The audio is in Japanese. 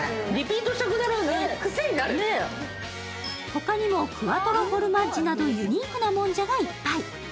他にもクワトロフォルマシッジなどユニークなもんじゃがいっぱい。